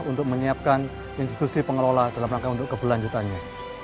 untuk menyiapkan institusi pengelola dalam rangka untuk keberlanjutannya